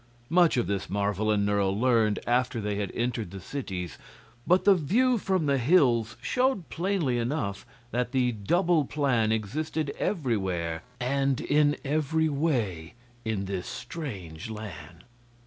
Much of this Marvel and Nerle learned after they had entered the cities, but the view from the hills showed plainly enough that the "double" plan existed everywhere and in every way in this strange land.